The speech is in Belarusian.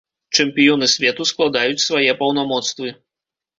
Чэмпіёны свету складаюць свае паўнамоцтвы.